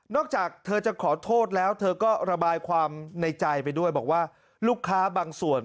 จากเธอจะขอโทษแล้วเธอก็ระบายความในใจไปด้วยบอกว่าลูกค้าบางส่วน